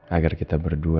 agar kita berdua